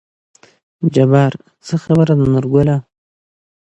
جبار : څه خبره ده نورګله